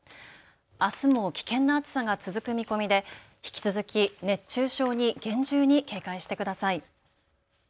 あすも危険な暑さが続く見込みで引き続き熱中症に厳重に警戒してください。